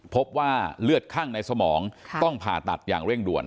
พบว่าเลือดข้างในสมองต้องผ่าตัดอย่างเร่งด่วน